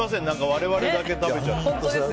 我々だけ食べちゃって。